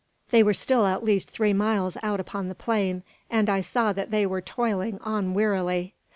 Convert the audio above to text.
They were still at least three miles out upon the plain, and I saw that they were toiling on wearily.